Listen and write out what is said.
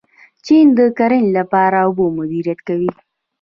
چین د کرنې لپاره اوبه مدیریت کوي.